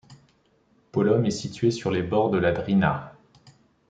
Polom est situé sur les bords de la Drina.